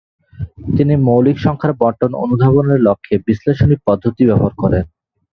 তিনি মৌলিক সংখ্যার বণ্টন অনুধাবনের লক্ষ্যে বিশ্লেষণী পদ্ধতি ব্যবহার করেন।